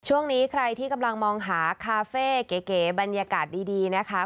ช่วงนี้ใครที่กำลังมองหาคาเฟ่เก๋บรรยากาศดีนะคะ